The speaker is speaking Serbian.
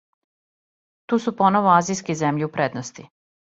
Ту су поново азијске земље у предности.